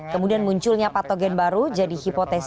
kemudian munculnya patogen baru jadi hipotesis